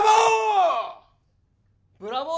ブラボー！